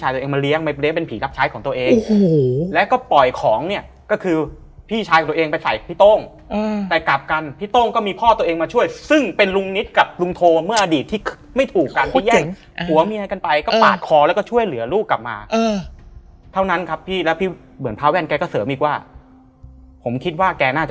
ตัวเองมาเลี้ยเป็นผีรับใช้ของตัวเองแล้วก็ปล่อยของเนี่ยก็คือพี่ชายของตัวเองไปใส่พี่โต้งแต่กลับกันพี่โต้งก็มีพ่อตัวเองมาช่วยซึ่งเป็นลุงนิดกับลุงโทเมื่ออดีตที่ไม่ถูกกันก็แย่งผัวเมียกันไปก็ปาดคอแล้วก็ช่วยเหลือลูกกลับมาเท่านั้นครับพี่แล้วพี่เหมือนพระแว่นแกก็เสริมอีกว่าผมคิดว่าแกน่าจะ